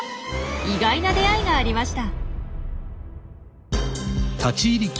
意外な出会いがありました。